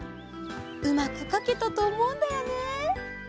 うまくかけたとおもうんだよね。